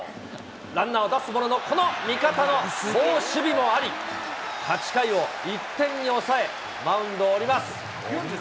ランナーを出すものの、この味方の好守備もあり、８回を１点に抑え、マウンドを降ります。